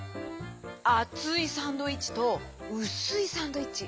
あついサンドイッチとうすいサンドイッチ。